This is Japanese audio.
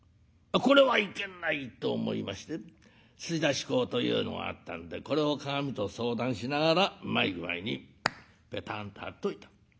これはいけないと思いまして吸出膏というのがあったんでこれを鏡と相談しながらうまい具合にぺたんと貼っといた。